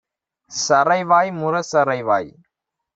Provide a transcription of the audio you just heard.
சறைவாய் முரசறைவாய்!